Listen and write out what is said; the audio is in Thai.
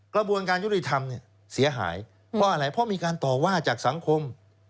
กระบวนการยุติธรรมเสียหายเพราะอะไรเพราะมีการต่อว่าจากสังคม